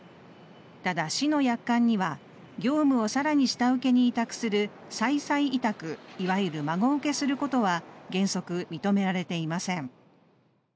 ただ、市の約款には業務を更に下請けに委託する再々委託いわゆる孫請けすることは原則認められていません。